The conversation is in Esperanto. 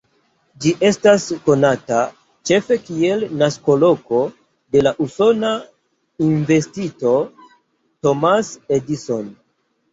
Ĝi estas konata ĉefe kiel naskoloko de la usona inventisto Thomas Edison.